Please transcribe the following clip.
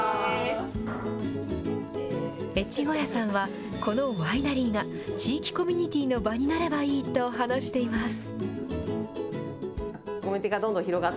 越後屋さんは、このワイナリーが、地域コミュニティーの場になればいいと話しています。